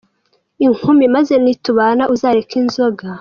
Inkumi : Maze nitubana uzareke inzoga.